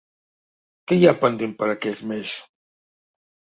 Què hi ha pendent per a aquest mes?